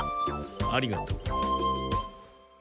ありがとう。